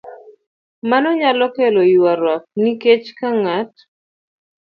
Mano nyalo kelo ywaruok nikech ka ng'at